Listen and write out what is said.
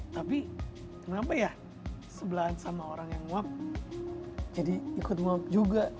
tapi kenapa ya sebelahan sama orang yang nguap jadi ikut nguap juga